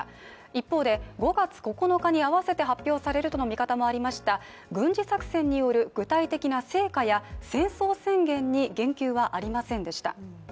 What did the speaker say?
一方で、５月９日に合わせて発表するとの見方もありました軍事作戦による具体的な成果や戦争宣言に言及はありませんでした。